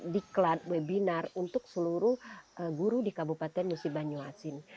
diklat webinar untuk seluruh guru di kabupaten musi banyuasin